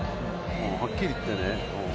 はっきり言ってね。